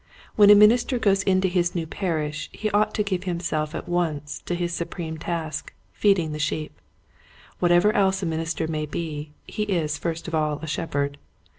When the minister goes into his new parish he ought to give him self at once to his supreme task, feeding the sheep. Whatever else a minister may be, he is first of all a shepherd.